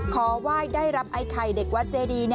ขอไหว้ได้รับไอ้ไข่เด็กวัดเจดี